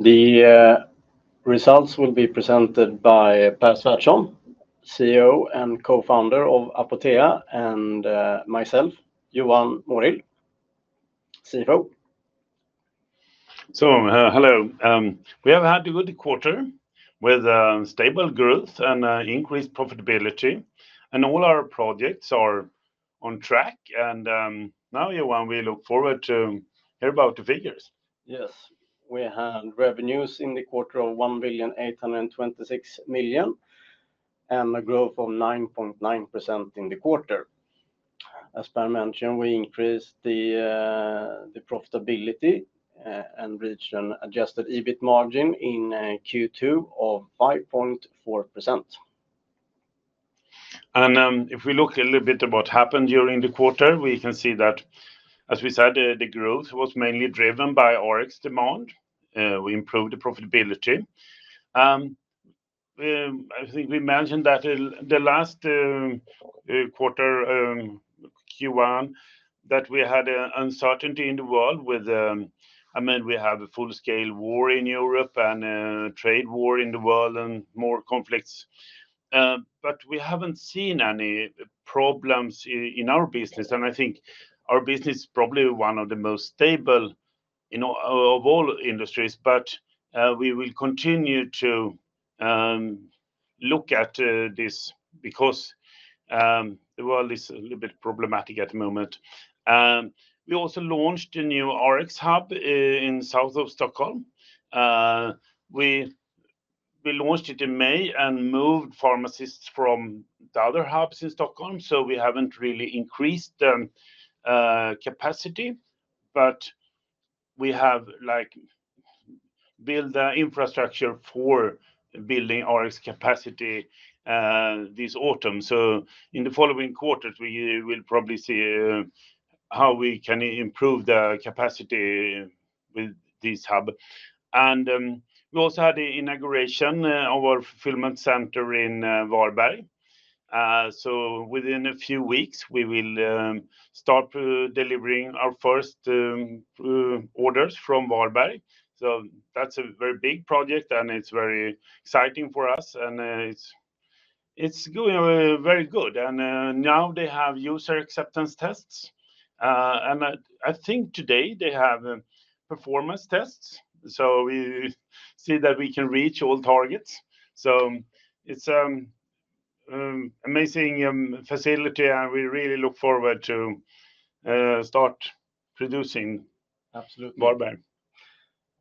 The results will be presented by Pär Svärdson, CEO and co-founder of Apotea, and myself, Johan Mårild, CFO. Hello. We have had a good quarter with stable growth and increased profitability, and all our projects are on track. Now, Johan, we look forward to hearing about the figures. Yes, we had revenues in the quarter of 1.826 billion and a growth of 9.9% in the quarter. As Pär mentioned, we increased the profitability and reached an adjusted EBIT margin in Q2 of 5.4%. If we look a little bit at what happened during the quarter, we can see that, as we said, the growth was mainly driven by RX demand. We improved the profitability. I think we mentioned that in the last quarter, Q1, that we had uncertainty in the world with, I mean, we have a full-scale war in Europe and a trade war in the world and more conflicts. We haven't seen any problems in our business. I think our business is probably one of the most stable in all industries. We will continue to look at this because the world is a little bit problematic at the moment. We also launched a new RX hub in the south of Stockholm. We launched it in May and moved pharmacists from the other hubs in Stockholm. We haven't really increased the capacity, but we have built the infrastructure for building RX capacity this autumn. In the following quarters, we will probably see how we can improve the capacity with this hub. We also had the inauguration of our fulfillment center in Varberg. Within a few weeks, we will start delivering our first orders from Varberg. That's a very big project, and it's very exciting for us. It's going very good. Now they have user acceptance tests. I think today they have performance tests. We see that we can reach all targets. It's an amazing facility, and we really look forward to start producing Varberg.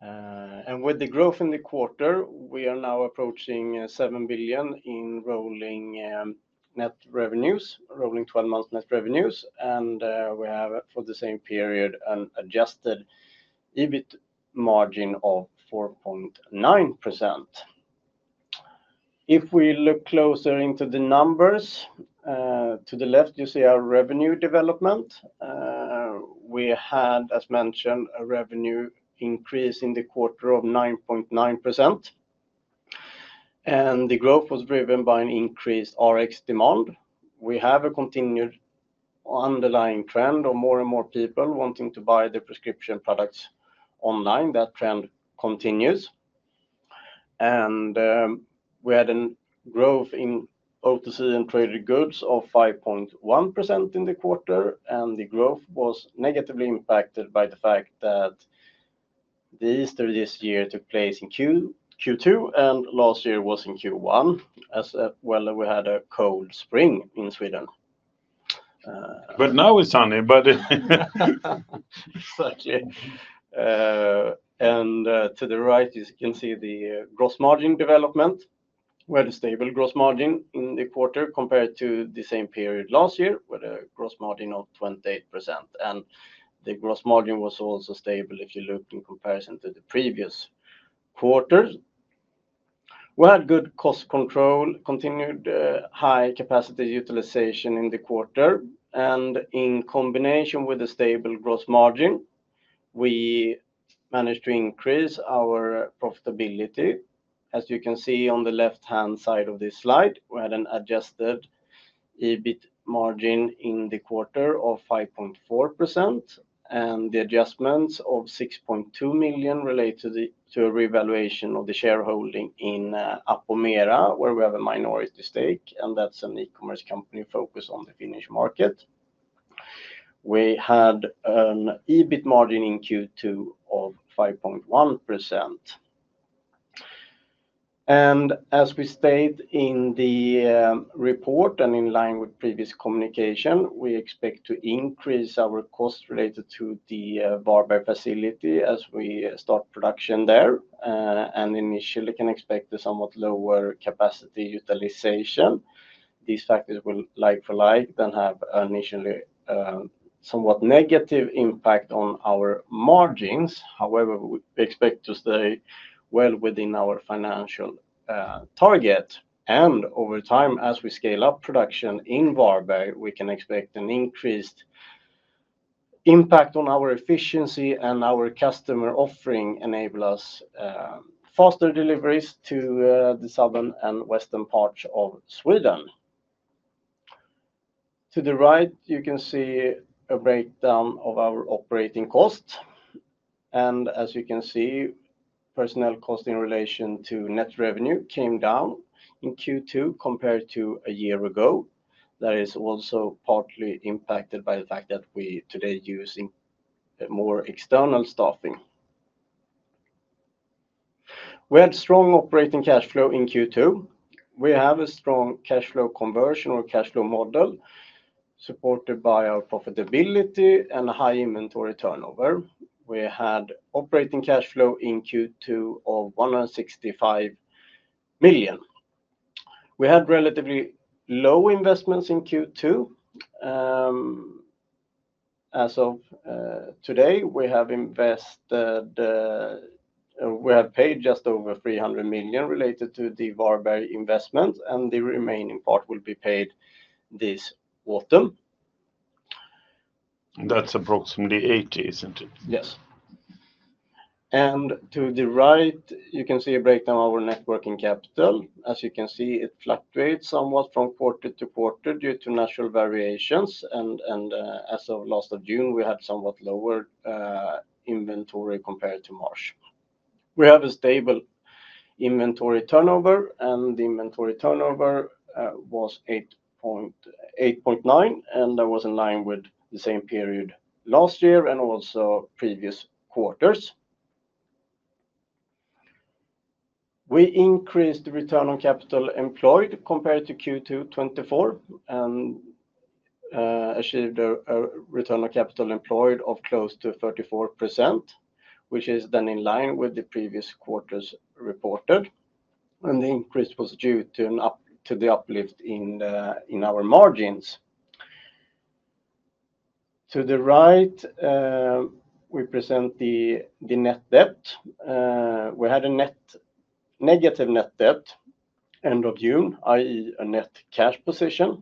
Absolutely. With the growth in the quarter, we are now approaching 7 billion in rolling net revenues, rolling 12 months net revenues. We have, for the same period, an adjusted EBIT margin of 4.9%. If we look closer into the numbers, to the left, you see our revenue development. We had, as mentioned, a revenue increase in the quarter of 9.9%. The growth was driven by an increased RX demand. We have a continued underlying trend of more and more people wanting to buy the prescription products online. That trend continues. We had a growth in OTC and traded goods of 5.1% in the quarter. The growth was negatively impacted by the fact that Easter this year took place in Q2, and last year was in Q1, as well as we had a cold spring in Sweden. Now it's sunny. Exactly. To the right, you can see the gross margin development. We had a stable gross margin in the quarter compared to the same period last year with a gross margin of 28%. The gross margin was also stable if you look in comparison to the previous quarter. We had good cost control, continued high capacity utilization in the quarter. In combination with a stable gross margin, we managed to increase our profitability. As you can see on the left-hand side of this slide, we had an adjusted EBIT margin in the quarter of 5.4%, and the adjustments of $6.2 million related to a revaluation of the shareholding in Apomera, where we have a minority stake. That's an e-commerce company focused on the Finnish market. We had an EBIT margin in Q2 of 5.1%. As we stated in the report and in line with previous communication, we expect to increase our costs related to the Varberg facility as we start production there. Initially, we can expect a somewhat lower capacity utilization. These factors will lie for like and have an initially somewhat negative impact on our margins. However, we expect to stay well within our financial target. Over time, as we scale up production in Varberg, we can expect an increased impact on our efficiency and our customer offering enables us faster deliveries to the southern and western parts of Sweden. To the right, you can see a breakdown of our operating costs. As you can see, personnel cost in relation to net revenue came down in Q2 compared to a year ago. That is also partly impacted by the fact that we today use more external staffing. We had strong operating cash flow in Q2. We have a strong cash flow conversion or cash flow model supported by our profitability and high inventory turnover. We had operating cash flow in Q2 of $165 million. We had relatively low investments in Q2. As of today, we have invested, we have paid just over $300 million related to the Varberg investments, and the remaining part will be paid this autumn. That's approximately 80, isn't it? Yes. To the right, you can see a breakdown of our net working capital. As you can see, it fluctuates somewhat from quarter-to-quarter due to national variations. As of last June, we had somewhat lower inventory compared to March. We have a stable inventory turnover, and the inventory turnover was 8.9%. That was in line with the same period last year and also previous quarters. We increased the return on capital employed compared to Q2 of 2024 and achieved a return on capital employed of close to 34%, which is in line with the previous quarters reported. The increase was due to the uplift in our margins. To the right, we present the net debt. We had a negative net debt at the end of June, i.e., a net cash position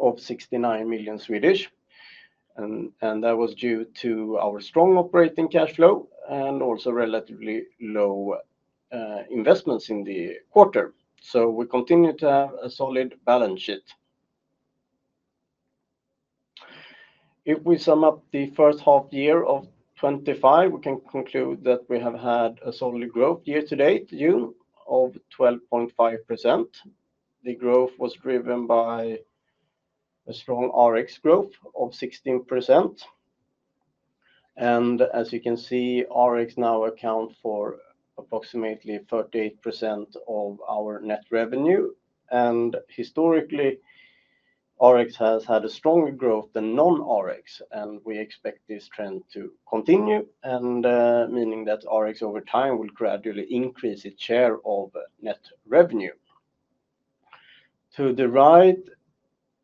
of 69 million. That was due to our strong operating cash flow and also relatively low investments in the quarter. We continue to have a solid balance sheet. If we sum up the first half year of 2025, we can conclude that we have had a solid growth year to date, June, of 12.5%. The growth was driven by a strong RX growth of 16%. As you can see, RX now accounts for approximately 38% of our net revenue. Historically, RX has had a stronger growth than non-RX. We expect this trend to continue, meaning that RX over time will gradually increase its share of net revenue. To the right,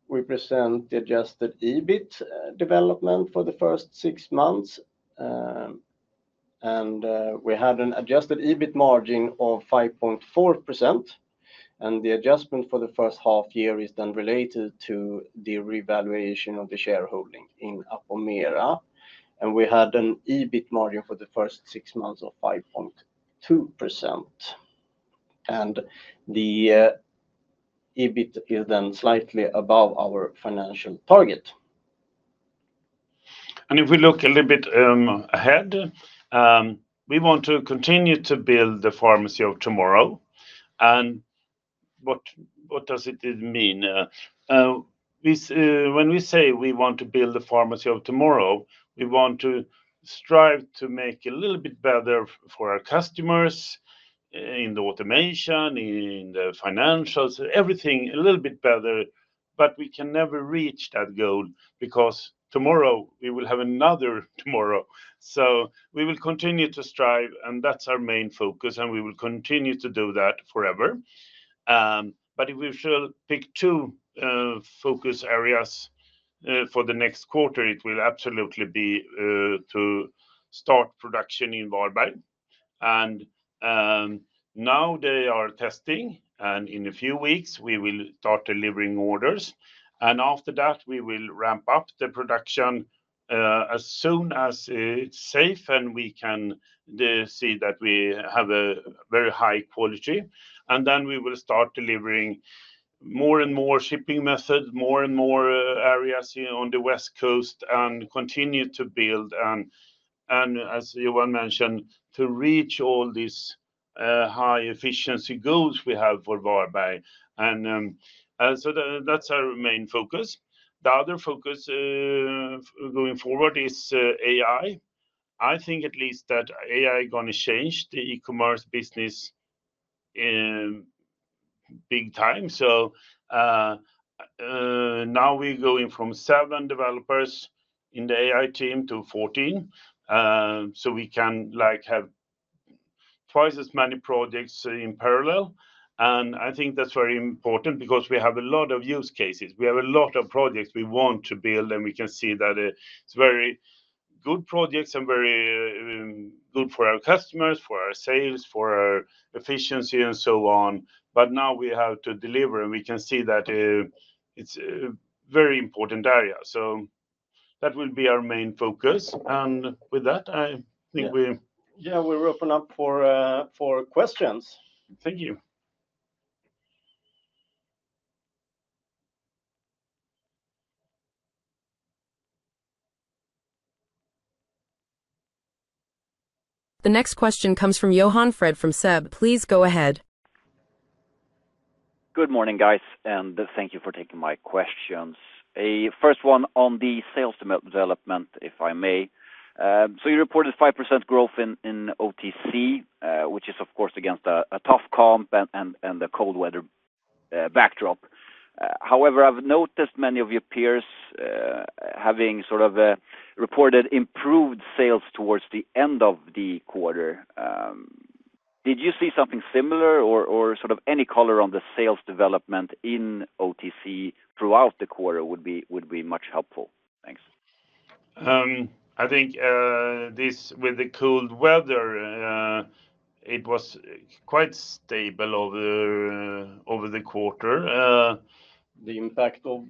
we present the adjusted EBIT development for the first six months. We had an adjusted EBIT margin of 5.4%. The adjustment for the first half year is related to the revaluation of the shareholding in Apomera. We had an EBIT margin for the first six months of 5.2%. The EBIT is slightly above our financial target. If we look a little bit ahead, we want to continue to build the pharmacy of tomorrow. What does it mean? When we say we want to build the pharmacy of tomorrow, we want to strive to make it a little bit better for our customers in the automation, in the financials, everything a little bit better. We can never reach that goal because tomorrow we will have another tomorrow. We will continue to strive, and that's our main focus. We will continue to do that forever. If we should pick two focus areas for the next quarter, it will absolutely be to start production in Varberg. Now they are testing, and in a few weeks, we will start delivering orders. After that, we will ramp up the production as soon as it's safe and we can see that we have a very high quality. We will start delivering more and more shipping methods, more and more areas on the West Coast, and continue to build. As Johan mentioned, to reach all these high efficiency goals we have for Varberg, that's our main focus. The other focus going forward is AI. I think at least that AI is going to change the e-commerce business big time. Now we're going from seven developers in the AI team to 14, so we can have twice as many projects in parallel. I think that's very important because we have a lot of use cases. We have a lot of projects we want to build, and we can see that it's very good projects and very good for our customers, for our sales, for our efficiency, and so on. Now we have to deliver, and we can see that it's a very important area. That will be our main focus. With that, I think we, yeah, we're open up for questions. Thank you. The next question comes from Johan Fred from SEB. Please go ahead. Good morning, guys, and thank you for taking my questions. A first one on the sales development, if I may. You reported 5% growth in OTC, which is, of course, against a tough comp and the cold weather backdrop. However, I've noticed many of your peers having reported improved sales towards the end of the quarter. Did you see something similar or any color on the sales development in OTC throughout the quarter would be much helpful? Thanks. I think this with the cold weather, it was quite stable over the quarter. The impact of,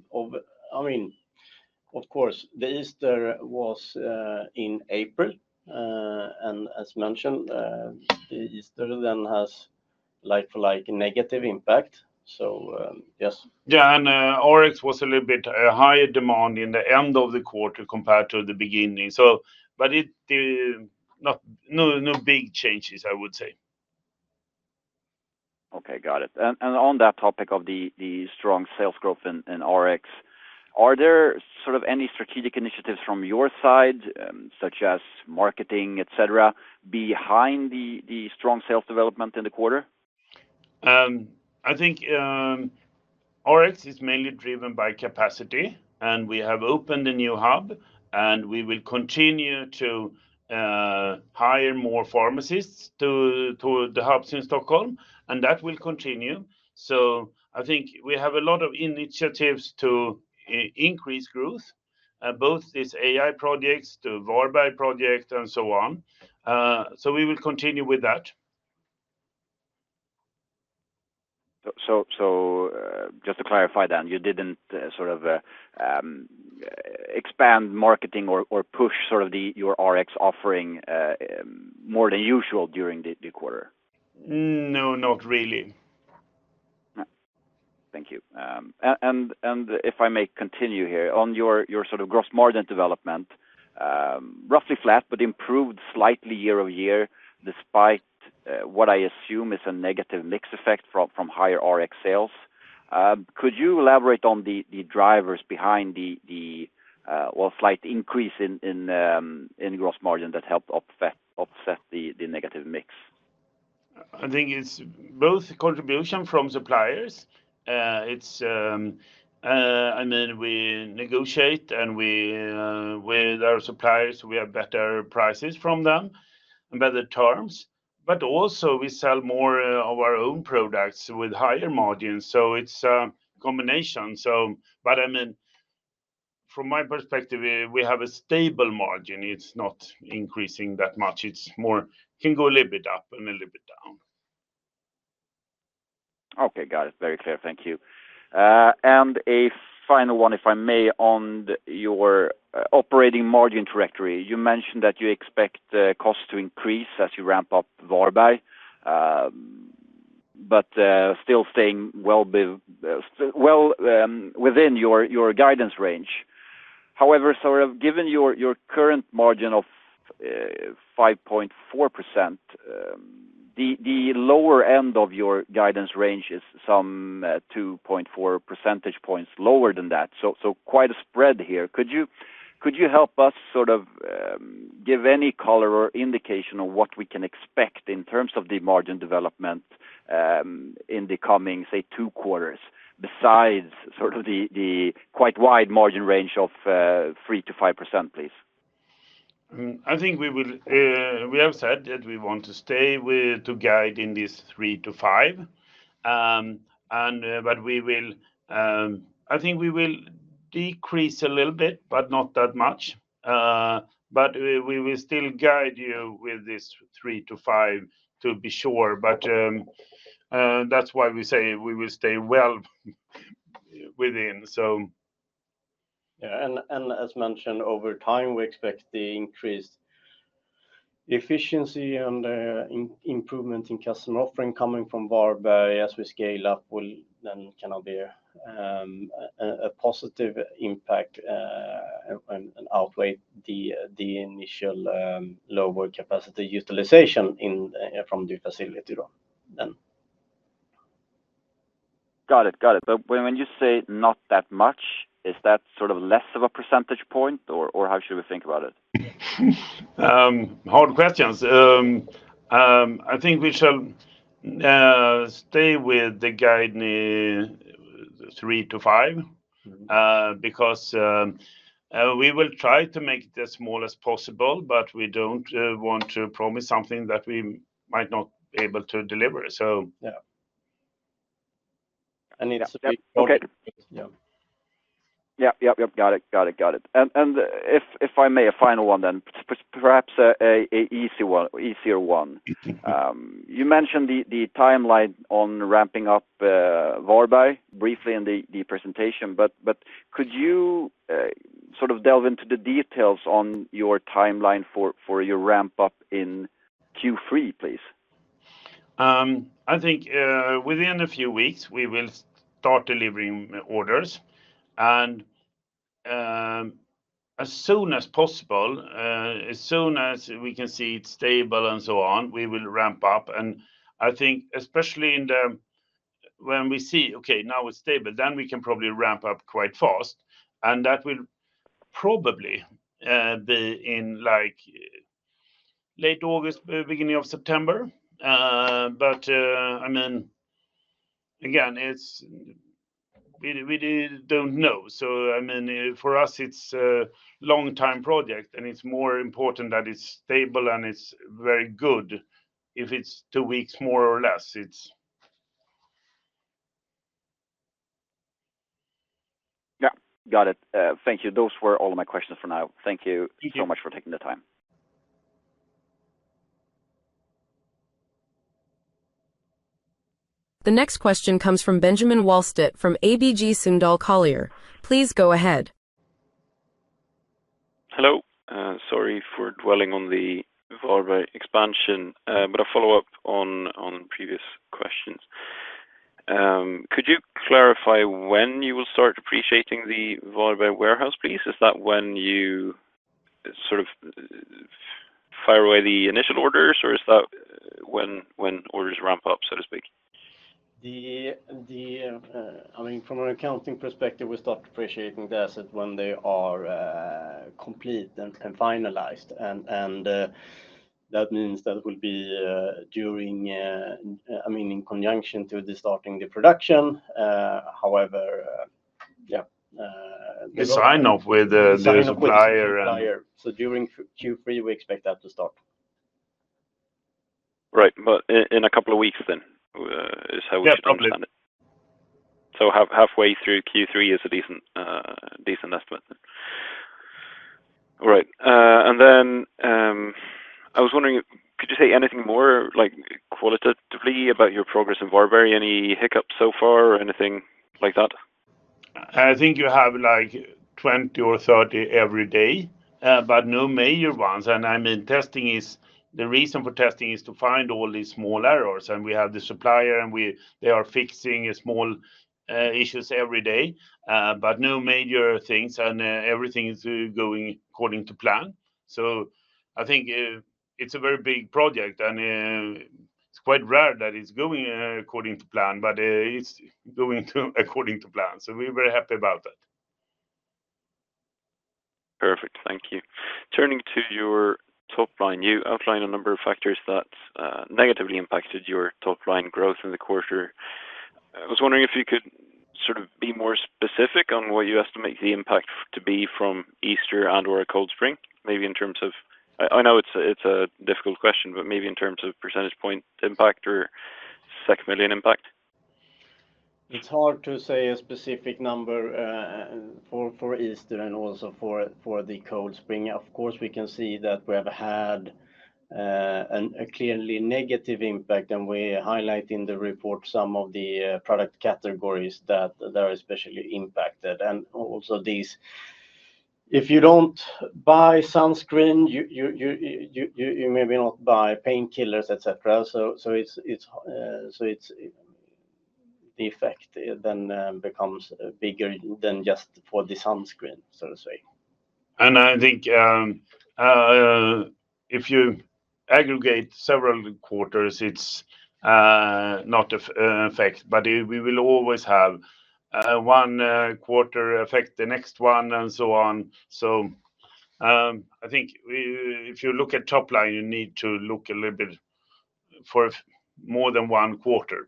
I mean, of course, the Easter was in April. As mentioned, the Easter then has like for like a negative impact. Yes. Yeah, and RX was a little bit higher demand in the end of the quarter compared to the beginning. It's not no big changes, I would say. Okay. Got it. On that topic of the strong sales growth in RX, are there sort of any strategic initiatives from your side, such as marketing, etc., behind the strong sales development in the quarter? I think RX is mainly driven by capacity. We have opened a new hub, and we will continue to hire more pharmacists to the hubs in Stockholm. That will continue. I think we have a lot of initiatives to increase growth, both these AI-driven initiatives, the Varberg project, and so on. We will continue with that. Just to clarify then, you didn't sort of expand marketing or push your RX offering more than usual during the quarter? No, not really. Thank you. If I may continue here, on your sort of gross margin development, roughly flat but improved slightly year over year despite what I assume is a negative mix effect from higher RX sales. Could you elaborate on the drivers behind the slight increase in gross margin that helped offset the negative mix? I think it's both contribution from suppliers. I mean, we negotiate with our suppliers, we have better prices from them and better terms. Also, we sell more of our own products with higher margins. It's a combination. From my perspective, we have a stable margin. It's not increasing that much. It can go a little bit up and a little bit down. Okay. Got it. Very clear. Thank you. A final one, if I may, on your operating margin trajectory, you mentioned that you expect costs to increase as you ramp up Varberg, but still staying well within your guidance range. However, given your current margin of 5.4%, the lower end of your guidance range is some 2.4 percentage points lower than that. Quite a spread here. Could you help us give any color or indication on what we can expect in terms of the margin development in the coming, say, two quarters besides the quite wide margin range of 3%-5%, please? I think we have said that we want to stay with to guide in this 3%-5%. We will decrease a little bit, but not that much. We will still guide you with this 3%-5% to be sure. That's why we say we will stay well within. As mentioned, over time, we expect the increased efficiency and the improvement in customer offering coming from Varberg as we scale up will be a positive impact and outweigh the initial lower capacity utilization from the facility. Got it. Got it. When you say not that much, is that sort of less of a percentage point, or how should we think about it? Hard questions. I think we shall stay with the guiding 3%-5% because we will try to make it as small as possible, but we don't want to promise something that we might not be able to deliver. Yeah. Got it. If I may, a final one then, perhaps an easier one. You mentioned the timeline on ramping up Varberg briefly in the presentation, but could you sort of delve into the details on your timeline for your ramp-up in Q3, please? I think within a few weeks, we will start delivering orders. As soon as possible, as soon as we can see it's stable and so on, we will ramp up. I think especially when we see, okay, now it's stable, then we can probably ramp up quite fast. That will probably be in late August, beginning of September. I mean, again, we don't know. For us, it's a long-time project, and it's more important that it's stable and it's very good if it's two weeks more or less. Got it. Thank you. Those were all of my questions for now. Thank you so much for taking the time. The next question comes from Benjamin Wahlstedt from ABG Sundal Collier. Please go ahead. Hello. Sorry for dwelling on the Varberg expansion, but a follow-up on previous questions. Could you clarify when you will start depreciating the Varberg warehouse, please? Is that when you sort of fire away the initial orders, or is that when orders ramp up, so to speak? From an accounting perspective, we start depreciating the assets when they are complete and finalized. That means it will be during, I mean, in conjunction to starting the production. However, yeah. The sign-off with the supplier. We expect that to start during Q3, following sign-off with the supplier. Right. In a couple of weeks then, is how we should understand it. Yeah, probably. Halfway through Q3 is a decent estimate. All right. I was wondering, could you say anything more qualitatively about your progress in Varberg? Any hiccups so far or anything like that? I think you have like 20 or 30 every day, but no major ones. The reason for testing is to find all these small errors. We have the supplier, and they are fixing small issues every day, but no major things. Everything is going according to plan. I think it's a very big project, and it's quite rare that it's going according to plan, but it's going according to plan. We're very happy about that. Perfect. Thank you. Turning to your top line, you outlined a number of factors that negatively impacted your top line growth in the quarter. I was wondering if you could be more specific on what you estimate the impact to be from Easter and/or a cold spring, maybe in terms of, I know it's a difficult question, but maybe in terms of percentage point impact or million impact. It's hard to say a specific number for Easter and also for the cold spring. Of course, we can see that we have had a clearly negative impact. We highlight in the report some of the product categories that are especially impacted. Also, if you don't buy sunscreen, you maybe don't buy painkillers, etc. The effect then becomes bigger than just for the sunscreen, so to say. I think if you aggregate several quarters, it's not an effect. We will always have one quarter affect the next one and so on. I think if you look at top line, you need to look a little bit for more than one quarter.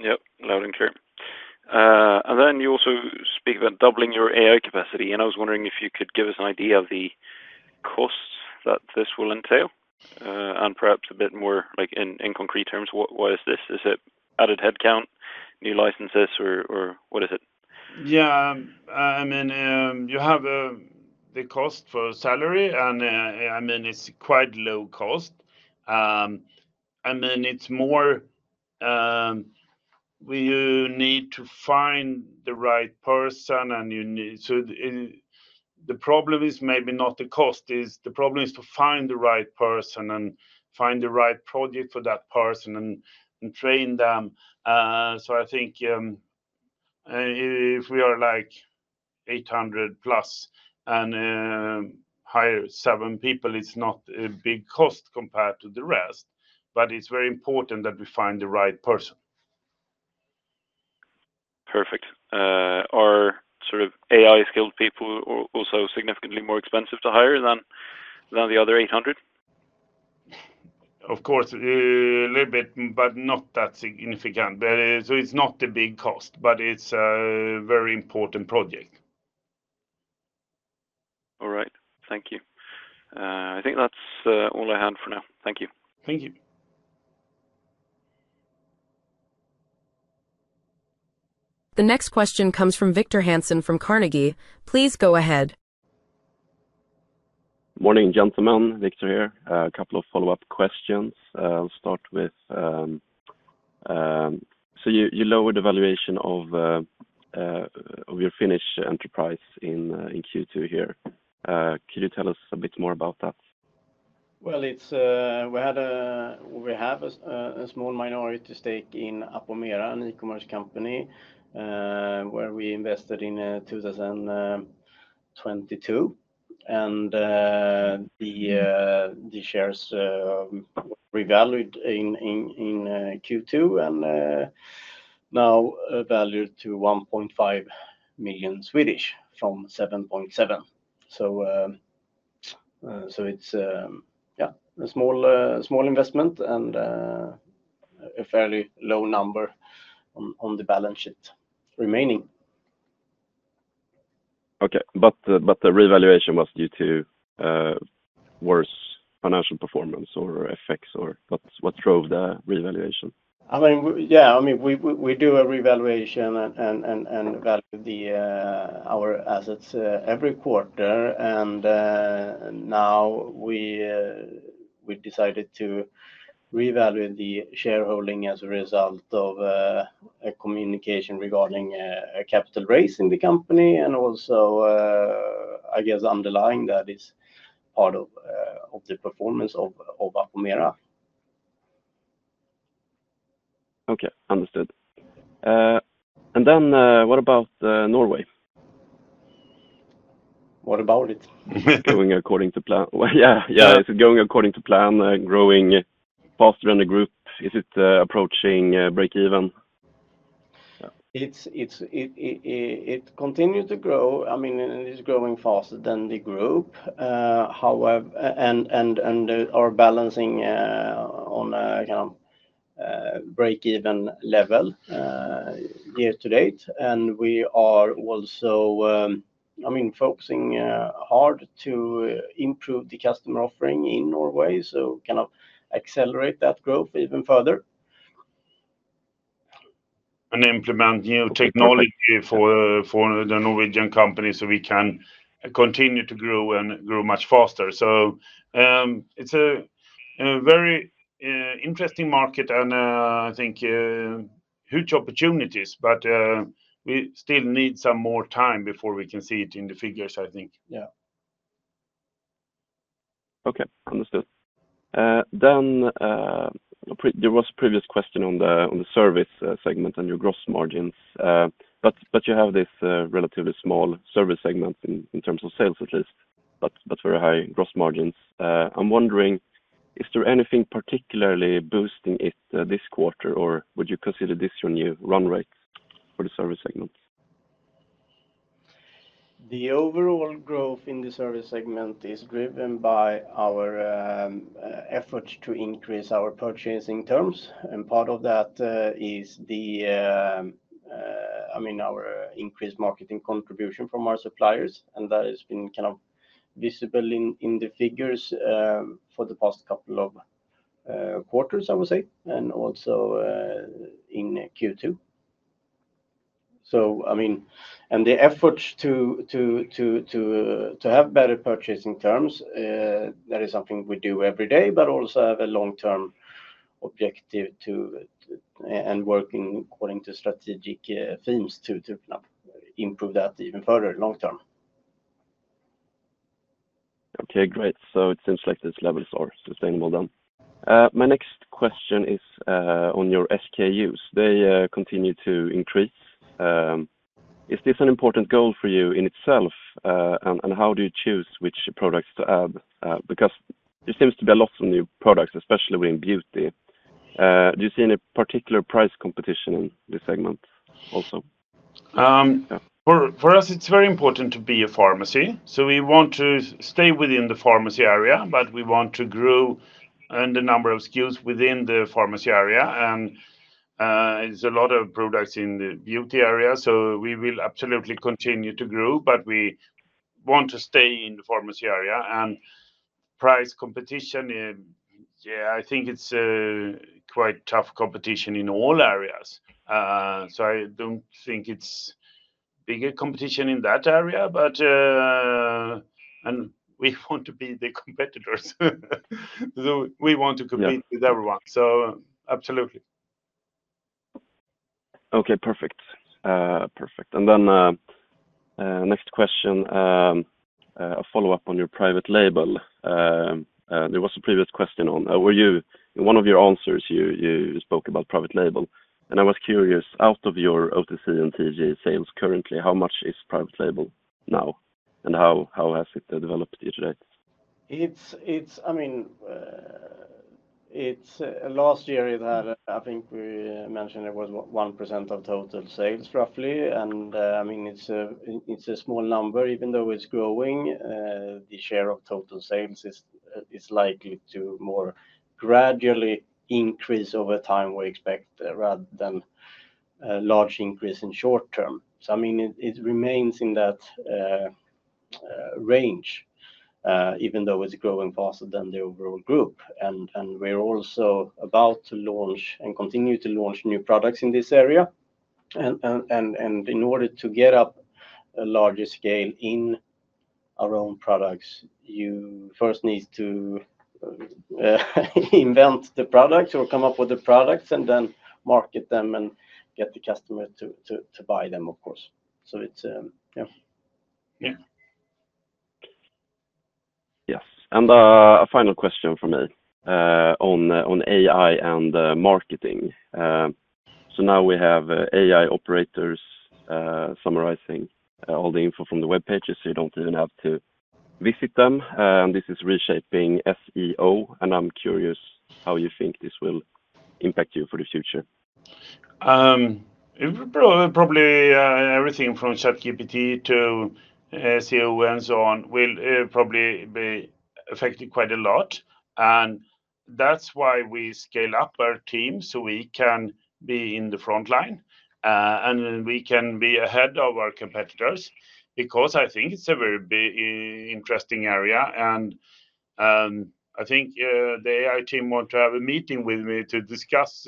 Yep. Loud and clear. You also speak about doubling your AI capacity. I was wondering if you could give us an idea of the costs that this will entail and perhaps a bit more, like in concrete terms, what is this? Is it added headcount, new licenses, or what is it? Yeah. I mean, you have the cost for salary. I mean, it's quite low cost. I mean, it's more you need to find the right person. You need, so the problem is maybe not the cost. The problem is to find the right person and find the right project for that person and train them. I think if we are like 800 and hire seven people, it's not a big cost compared to the rest. It's very important that we find the right person. Perfect. Are sort of AI-skilled people also significantly more expensive to hire than the other 800? Of course, a little bit, but not that significant. It's not a big cost, but it's a very important project. All right. Thank you. I think that's all I had for now. Thank you. Thank you. The next question comes from Victor Hansen from Carnegie. Please go ahead. Morning, gentlemen. Victor here. A couple of follow-up questions. I'll start with, you lowered the valuation of your Finnish enterprise in Q2 here. Could you tell us a bit more about that? We had a small minority stake in Apomera AB, an e-commerce company, where we invested in 2022. The shares revalued in Q2 and are now valued at 1.5 million from 7.7 million. It's a small investment and a fairly low number on the balance sheet remaining. Okay. Was the revaluation due to worse financial performance or effects, or what drove the revaluation? I mean, yeah. We do a revaluation and value our assets every quarter. Now we decided to revalue the shareholding as a result of a communication regarding capital raising in the company. I guess underlying that is part of the performance of Apomera. Okay. Understood. What about Norway? What about it? Is it going according to plan? Is it going according to plan, growing faster than the group? Is it approaching break-even? It continues to grow. I mean, it is growing faster than the group. However, we are balancing on a kind of break-even level year to date. We are also focusing hard to improve the customer offering in Norway to accelerate that growth even further and implement new technology for the Norwegian company so we can continue to grow and grow much faster. It's a very interesting market and I think huge opportunities. We still need some more time before we can see it in the figures, I think. Yeah. Okay. Understood. There was a previous question on the service segment and your gross margins. You have this relatively small service segment in terms of sales, at least, but very high gross margins. I'm wondering, is there anything particularly boosting it this quarter, or would you consider this your new run rate for the service segment? The overall growth in the service segment is driven by our efforts to increase our purchasing terms. Part of that is our increased marketing contribution from our suppliers. That has been kind of visible in the figures for the past couple of quarters, I would say, and also in Q2. The effort to have better purchasing terms is something we do every day, but also have a long-term objective and work according to strategic themes to improve that even further long term. Okay. Great. It seems like these levels are sustainable then. My next question is on your SKUs. They continue to increase. Is this an important goal for you in itself? How do you choose which products to add? There seems to be lots of new products, especially within beauty. Do you see any particular price competition in this segment also? For us, it's very important to be a pharmacy. We want to stay within the pharmacy area, but we want to grow the number of skills within the pharmacy area. There are a lot of products in the beauty area. We will absolutely continue to grow, but we want to stay in the pharmacy area. Price competition, I think it's quite tough competition in all areas. I don't think it's bigger competition in that area, but we want to be the competitors. We want to compete with everyone. Absolutely. Okay. Perfect. Perfect. Next question, a follow-up on your private label. There was a previous question on one of your answers. You spoke about private label. I was curious, out of your OTC and traded goods sales currently, how much is private label now? How has it developed to you today? Last year, I think we mentioned it was 1% of total sales roughly. It's a small number. Even though it's growing, the share of total sales is likely to more gradually increase over time, we expect, rather than a large increase in the short term. It remains in that range, even though it's growing faster than the overall group. We're also about to launch and continue to launch new products in this area. In order to get up a larger scale in our own products, you first need to invent the products or come up with the products and then market them and get the customer to buy them, of course. It's, yeah. Yes. A final question for me on AI and marketing. Now we have AI operators summarizing all the info from the web pages so you don't even have to visit them. This is reshaping SEO. I'm curious how you think this will impact you for the future. Probably everything from ChatGPT to SEO and so on will probably be affected quite a lot. That's why we scale up our team so we can be in the front line and then we can be ahead of our competitors because I think it's a very interesting area. I think the AI team wanted to have a meeting with me to discuss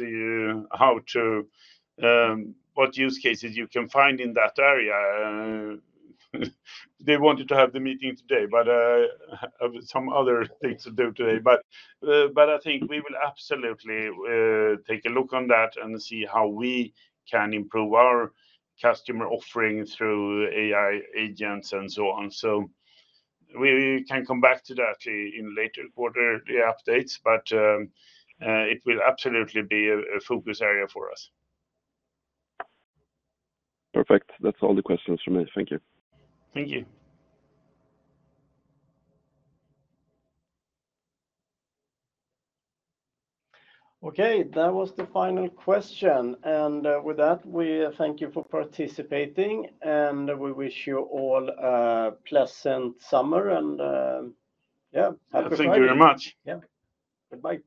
what use cases you can find in that area. They wanted to have the meeting today, but I had some other things to do today. I think we will absolutely take a look on that and see how we can improve our customer offering through AI agents and so on. We can come back to that in later quarter updates, but it will absolutely be a focus area for us. Perfect. That's all the questions for me. Thank you. Thank you. Okay. That was the final question. We thank you for participating. We wish you all a pleasant summer. Yeah, happy to. Thank you very much. Yeah. Goodbye.